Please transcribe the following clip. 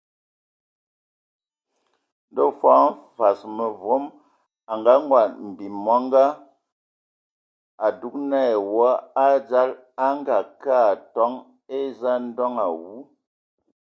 Ndɔ hm fɔɔ Mfad mevom a nganguan mbim mɔngɔ, a dugan ai wɔ a dzal, a ngeakə a atoŋ eza ndoŋ awu.